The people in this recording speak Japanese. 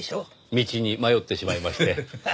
道に迷ってしまいまして。